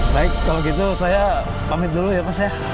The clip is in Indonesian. baik kalau gitu saya pamit dulu ya pak syah